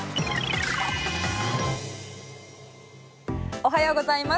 おはようございます。